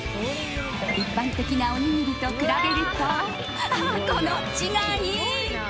一般的なおにぎりと比べるとこの違い。